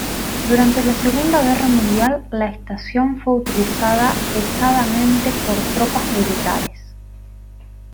Durante la Segunda Guerra Mundial, la estación fue utilizada pesadamente por tropas militares.